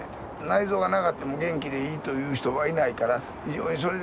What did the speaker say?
内臓がなかっても元気でいいという人はいないからって。